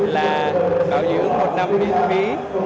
là bảo dưỡng một năm miễn phí